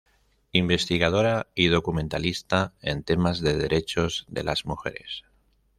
Investigadora y documentalista en temas de Derechos de las Mujeres.